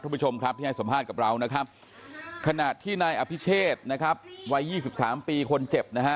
ทุกผู้ชมที่ให้สัมภาษณ์กับเราขณะที่นายอภิเชษวัย๒๓ปีคนเจ็บ